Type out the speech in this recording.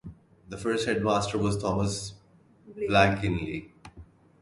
The first headmaster was Thomas Blakeney.